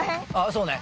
そうね。